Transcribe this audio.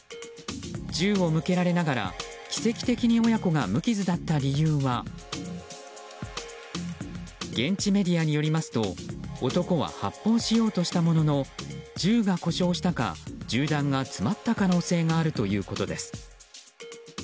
銃を向けられながら奇跡的に親子が無傷だった理由は現地メディアによりますと男は発砲しようとしたものの銃が故障したか、銃弾が詰まった可能性があるということです。